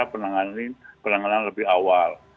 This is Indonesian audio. secara penanganan lebih awal